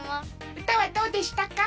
うたはどうでしたか？